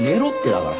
だから。